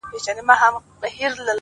له ځانه ووتلم «نه» ته چي نه ـ نه وويل;